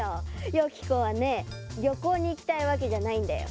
よき子はねりょこうにいきたいわけじゃないんだよね？